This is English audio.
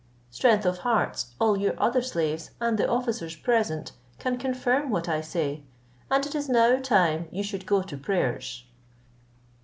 Strength of Hearts, all your other slaves, and the officers present, can confirm what I say, and it is now time you should go to prayers."